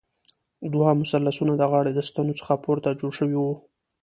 دوه مثلثونه د غاړې د ستنو څخه پورته جوړ شوي وو.